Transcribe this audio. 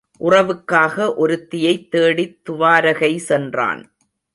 உறவுக்காக ஒருத்தியைத் தேடித் துவாரகை சென்றான்.